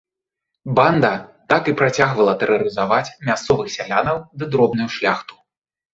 Банда так і працягвала тэрарызаваць мясцовых сялянаў ды дробную шляхту.